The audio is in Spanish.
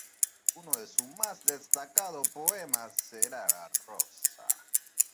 Uno de sus más destacados poemas, "¿Será la rosa?